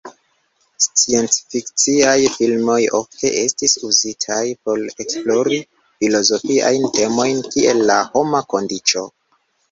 Sciencfikciaj filmoj ofte estis uzitaj por esplori filozofiajn temojn kiel la homa kondiĉo.